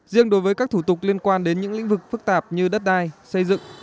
riêng đối với các thủ tục liên quan đến những lĩnh vực phức tạp như đất đai xây dựng